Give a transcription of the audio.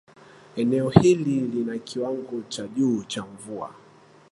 eneo hili lina kiwango cha juu cha mvua